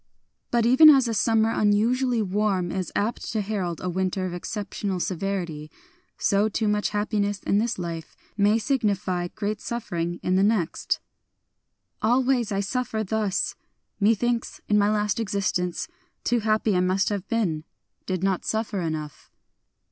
But even as a summer unusually warm is apt to herald a winter of exceptional severity, so too much happiness in this life may signify great suffering in the next :— Always I suffer thus !... Methinks, in my last existence. Too happy I must have been, — did not suffer enough.